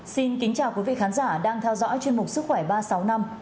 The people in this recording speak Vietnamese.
xin kính chào quý vị khán giả đang theo dõi chương mục sức khỏe ba sáu năm